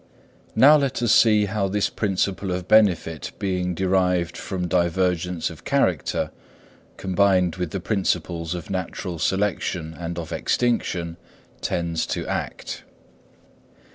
Now let us see how this principle of benefit being derived from divergence of character, combined with the principles of natural selection and of extinction, tends to act.